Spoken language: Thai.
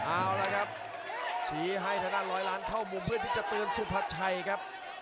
เอาละครับชี้ให้ทางด้านร้อยล้านเข้ามุมเพื่อที่จะเตือนสุพัชชัยครับ